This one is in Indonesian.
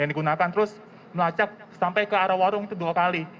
yang digunakan terus melacak sampai ke arah warung itu dua kali